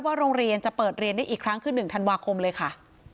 โรงเรียนจะเปิดเรียนได้อีกครั้งคือ๑ธันวาคมเลยค่ะ